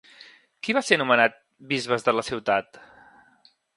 Qui va ser anomenat bisbes de la ciutat?